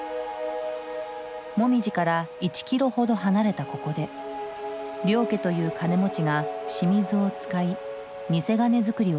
モミジから１キロほど離れたここで領家という金持ちが清水を使い偽金づくりをしていた。